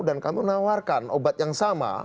dan kamu menawarkan obat yang sama